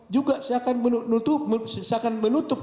juga seakan menutup